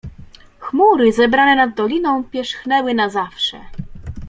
"Chmury, zebrane nad doliną pierzchnęły na zawsze."